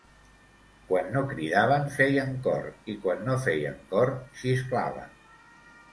Quan no cridaven feien cor, i quan no feien cor xisclaven